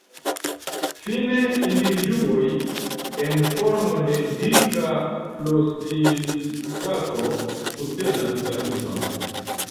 Fine individuoj en formo de dika flosil-sako subtenas la tuton.